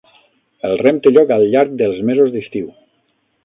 El rem té lloc al llarg dels mesos d'estiu.